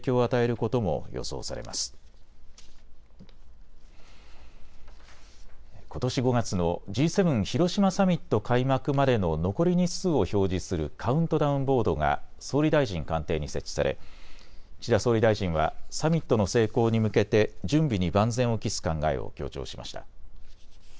ことし５月のＧ７広島サミット開幕までの残り日数を表示するカウントダウンボードが総理大臣官邸に設置され岸田総理大臣はサミットの成功に向けて準備に万全を期す考えを強調しました。